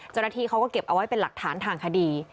เจ้าหน้าที่เขาก็เก็บเอาไว้เป็นหลักฐานทางคดี